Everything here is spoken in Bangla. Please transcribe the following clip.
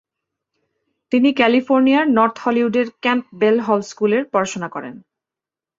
তিনি ক্যালিফোর্নিয়ার নর্থ হলিউডের ক্যাম্পবেল হল স্কুলে পড়াশোনা করেন।